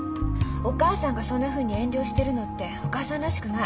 お母さんがそんなふうに遠慮してるのってお母さんらしくない。